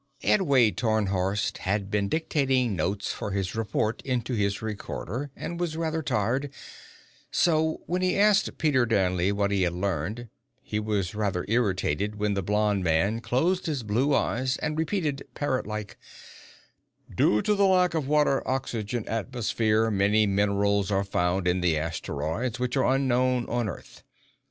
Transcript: Edway Tarnhorst had been dictating notes for his reports into his recorder, and was rather tired, so when he asked Peter Danley what he had learned, he was rather irritated when the blond man closed his blue eyes and repeated, parrotlike: "Due to the lack of a water oxygen atmosphere, many minerals are found in the asteroids which are unknown on Earth.